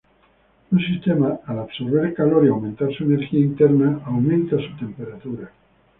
Un sistema al absorber calor y aumentar su energía interna, aumenta su temperatura.